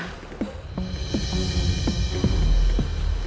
kamu gak usah tegang kayak gitu nisa